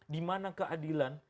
di mana keadilan